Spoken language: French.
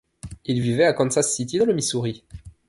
Il vivait à Kansas City, dans le Missouri.